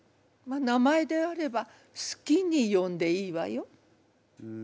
名前であれば好きに呼んでいいわよ。